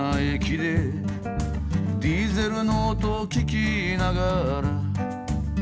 「ディーゼルの音を聴きながら」